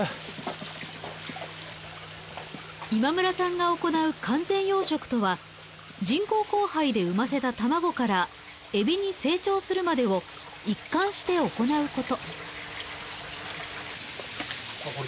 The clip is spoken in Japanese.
今村さんが行う完全養殖とは人工交配で産ませた卵からエビに成長するまでを一貫して行うこと。